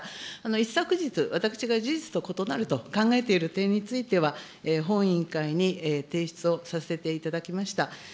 一昨日、私が事実と異なると考えている点については、本委員会に提出をさせていただきました。